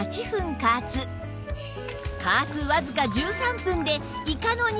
加圧わずか１３分でイカの煮物が完成！